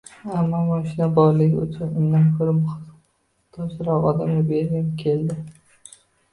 Ammo moshinasi borligi uchun undan koʻra muhtojroq odamga bergim keldi